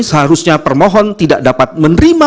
seharusnya permohon tidak dapat menerima